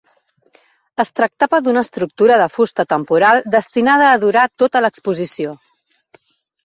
Es tractava d'una estructura de fusta temporal destinada a durar tota l'exposició.